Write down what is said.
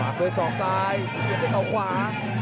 มามาคืนสองซ้ายสีด้วยเขาขวา